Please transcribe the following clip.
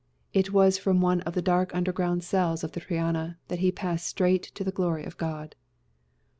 It was from one of the dark underground cells of the Triana that he passed straight to the glory of God."